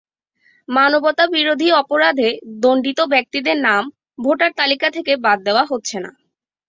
মানবতাবিরোধী অপরাধে দণ্ডিত ব্যক্তিদের নাম ভোটার তালিকা থেকে বাদ দেওয়া হচ্ছে না।